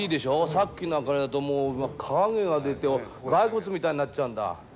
さっきの明かりだともう影が出て骸骨みたいになっちゃうんだ。